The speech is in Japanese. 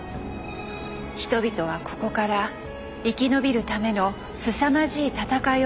人々はここから生き延びるためのすさまじい戦いを開始するのです。